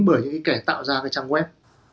bởi những kẻ tạo ra trang web